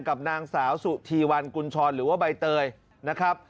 กับนางสาวสุธีวันกุญชรหรือว่าใบเตยนะครับ